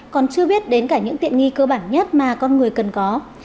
còn chưa biết đến cả những tiện nghi cơ bản nhất mà con người cần có